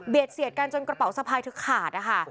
เสียดกันจนกระเป๋าสะพายเธอขาดนะคะ